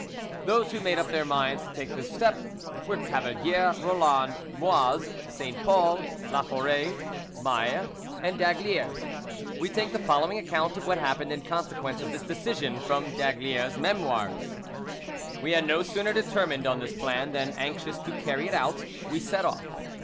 Those who made up their minds to take this step were, Cavalier, Roland, Moise, Saint Paul, Laforet, Maille, and d'Aygaliers. We take the following account of what happened in consequence of this decision from d'Aygaliers' Memoirs: "We had no sooner determined on this plan, than, anxious to carry it out, we set off.